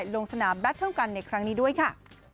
ลงสนามแบตเทิลกันในครั้งนี้ด้วยค่ะ